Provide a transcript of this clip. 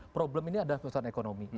problem ini adalah perusahaan ekonomi